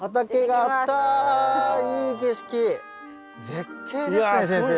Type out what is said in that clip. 絶景ですね先生。